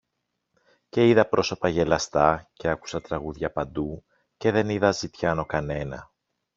Και είδα πρόσωπα γελαστά, και άκουσα τραγούδια παντού, και δεν είδα ζητιάνο κανένα.